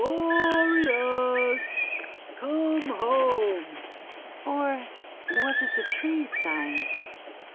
Boreas, come home 1 " or was it the trees sighing